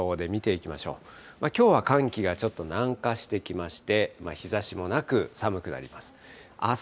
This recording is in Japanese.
きょうは寒気がちょっと南下してきまして、日ざしもなく、寒くなります。